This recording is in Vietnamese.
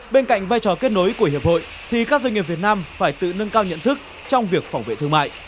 bên cạnh vai trò kết nối của hiệp hội thì các doanh nghiệp việt nam phải tự nâng cao nhận thức trong việc phòng vệ thương mại